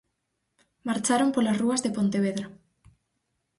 Marcharon polas rúas de Pontevedra.